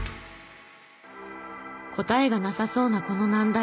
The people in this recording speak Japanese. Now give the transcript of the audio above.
答えがなさそうなこの難題。